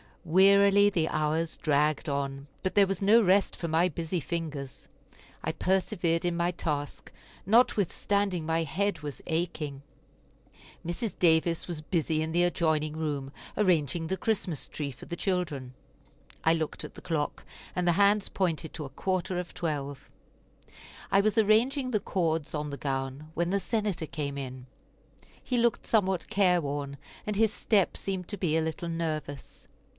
Wearily the hours dragged on, but there was no rest for my busy fingers. I persevered in my task, notwithstanding my head was aching. Mrs. Davis was busy in the adjoining room, arranging the Christmas tree for the children. I looked at the clock, and the hands pointed to a quarter of twelve. I was arranging the cords on the gown when the Senator came in; he looked somewhat careworn, and his step seemed to be a little nervous.